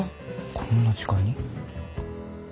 こんな時間に？